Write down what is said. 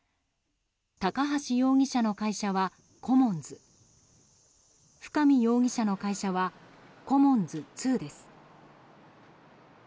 高橋容疑者の会社はコモンズ深見容疑者の会社はコモンズ２です。